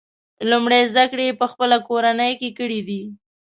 لومړۍ زده کړې یې په خپله کورنۍ کې کړي دي.